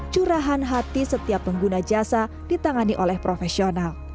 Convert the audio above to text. curahan hati setiap pengguna jasa ditangani oleh profesional